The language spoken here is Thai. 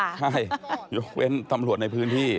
ใช่ยกเว้นตำรวจในพื้นที่